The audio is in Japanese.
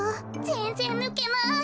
ぜんぜんぬけない。